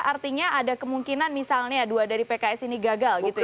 artinya ada kemungkinan misalnya dua dari pks ini gagal gitu ya